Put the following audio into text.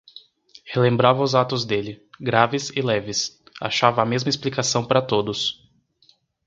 Relembrava os atos dele, graves e leves, achava a mesma explicação para todos.